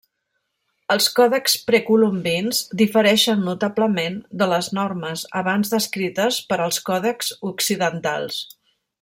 Els còdexs precolombins difereixen notablement de les normes abans descrites per als còdexs occidentals.